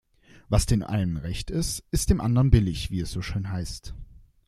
Was dem einen recht ist, ist dem anderen billig, wie es so schön heißt.